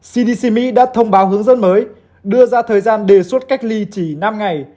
cdc mỹ đã thông báo hướng dẫn mới đưa ra thời gian đề xuất cách ly chỉ năm ngày